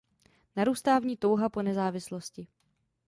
Narůstá v ní touha po nezávislosti.